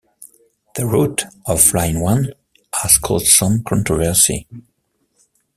The route of Line One has caused some controversy.